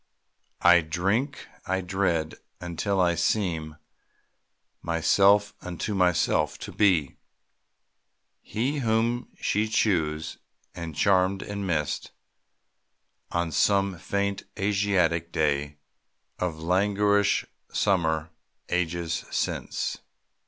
I drink, I dread, until I seem (Myself unto myself) to be He whom she chose, and charmed and missed, On some faint Asiatic day Of languorous summer, ages since.